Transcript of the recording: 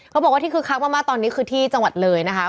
บอกว่าที่คึกคักมากตอนนี้คือที่จังหวัดเลยนะคะ